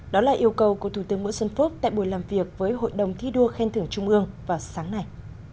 đó là yêu cầu của thủ tướng nguyễn xuân phúc tại buổi làm việc với hội đồng thi đua khen thưởng trung ương vào sáng nay